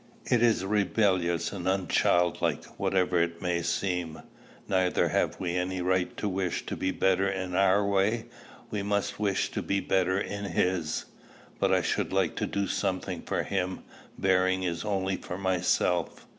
It is rebellious and unchildlike, whatever it may seem. Neither have we any right to wish to be better in our way: we must wish to be better in his." "But I should like to do something for him; bearing is only for myself.